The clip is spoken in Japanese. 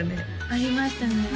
ありましたね